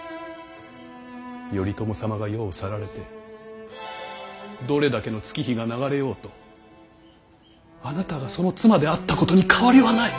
頼朝様が世を去られてどれだけの月日が流れようとあなたがその妻であったことに変わりはない。